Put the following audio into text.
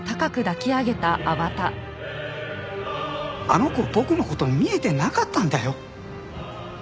あの子僕の事見えてなかったんだよ。